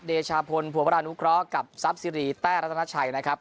เดชาพลภัวรานุเคราะห์กับทรัพย์สิริแต้รัตนาชัยนะครับ